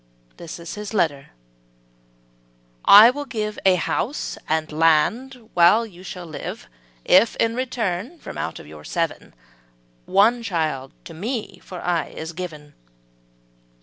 ``This is his letter: ``'I will give A house and land while you shall live, If, in return, from out your seven, One child to me for aye is given.'''